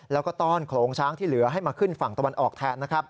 แล้วก็ต้อนโขลงช้างที่เหลือให้มาขึ้นฝั่งตะวันออกแทนนะครับ